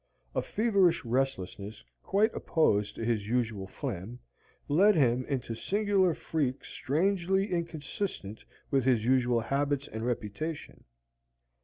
A feverish restlessness, quite opposed to his usual phlegm, led him into singular freaks strangely inconsistent with his usual habits and reputation.